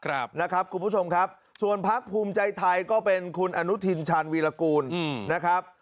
ครับนะครับคุณผู้ชมครับส่วนพักภูมิใจไทยก็เป็นคุณอนุทินชาญวีรกูลนะครับ